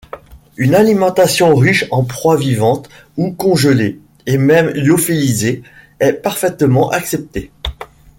Une alimentation riche en proies vivantes ou congelées et même lyophilisées est parfaitement acceptée.